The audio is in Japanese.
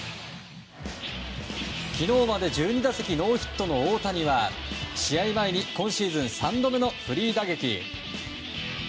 昨日まで１２打席ノーヒットの大谷は試合前に今シーズン３度目のフリー打撃。